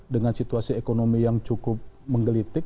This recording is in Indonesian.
dengan situasi ekonomi yang cukup menggelitik